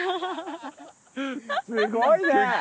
すごいね！